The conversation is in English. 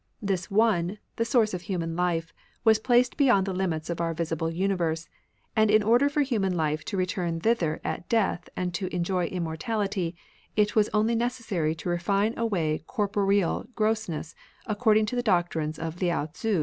This One, the source of human life, was placed beyond the limits of our visible universe ; and in order for human life to return thither at death and to enjoy immortality, it was only necessary to refine away corporeal grossness according to the doctrines of Lao Tzu.